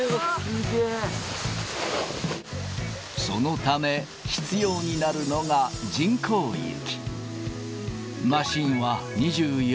そのため、必要になるのが人工雪。